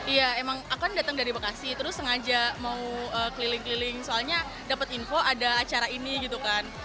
iya emang aku kan datang dari bekasi terus sengaja mau keliling keliling soalnya dapat info ada acara ini gitu kan